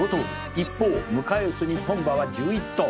「一方迎え撃つ日本馬は１１頭」